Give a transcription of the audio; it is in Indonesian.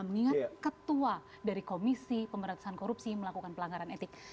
mengingat ketua dari komisi pemberantasan korupsi melakukan pelanggaran etik